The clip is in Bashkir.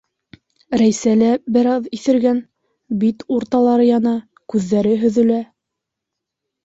Рәйсә лә бер аҙ иҫергән, бит урталары яна, күҙҙәре һөҙөлә.